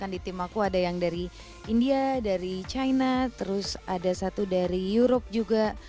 di tim aku ada yang dari india dari china terus ada satu dari europe juga